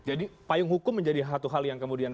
jadi payung hukum menjadi hal yang kemudian